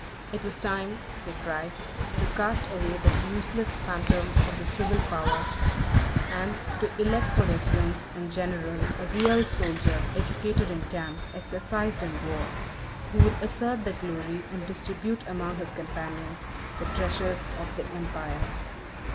It was time, they cried, to cast away that useless phantom of the civil power, and to elect for their prince and general a real soldier, educated in camps, exercised in war, who would assert the glory, and distribute among his companions the treasures, of the empire.